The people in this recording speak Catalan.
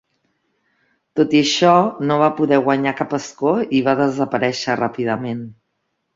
Tot i això, no va poder guanyar cap escó i va desaparèixer ràpidament.